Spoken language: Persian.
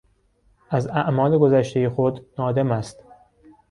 از اعمال گذشتهی خود نادم است.